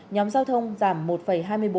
nhóm giao thông giảm một hai mươi bốn